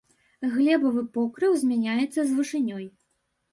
Глебавы покрыў змяняецца з вышынёй.